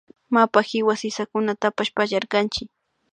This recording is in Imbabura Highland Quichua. Mapa kiwa sisakunatapash pallarkanchik